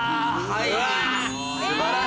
はい！